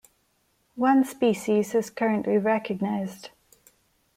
One species is currently recognized.